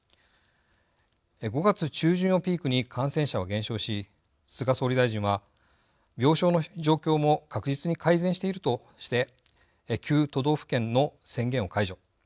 ５月中旬をピークに感染者は減少し菅総理大臣は「病床の状況も確実に改善している」として９都道府県の宣言を解除。